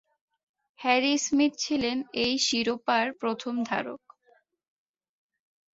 Harry Smith ছিলেন এই শিরোপার প্রথম ধারক।